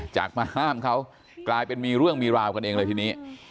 จากมาห้ามเขากลายเป็นมีเรื่องมีราวกันเองเลยทีนี้